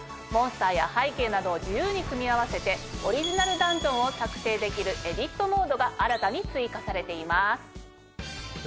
モンスターや背景などを自由に組み合わせてオリジナルダンジョンを作成できるエディットモードが新たに追加されています。